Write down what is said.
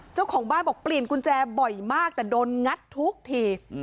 เจ้าของบ้านบอกเปลี่ยนกุญแจบ่อยมากแต่โดนงัดทุกที